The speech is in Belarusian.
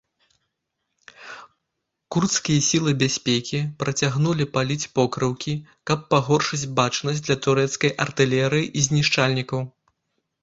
Курдскія сілы бяспекі працягнулі паліць покрыўкі, каб пагоршыць бачнасць для турэцкай артылерыі і знішчальнікаў.